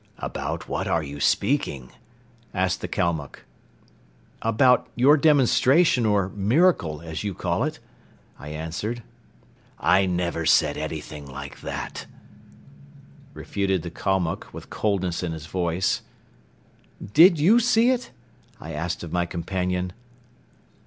"About what are you speaking?" asked the Kalmuck. "About your demonstration or 'miracle,' as you call it," I answered. "I never said anything like that," refuted the Kalmuck, with coldness in his voice. "Did you see it?" I asked of my companion.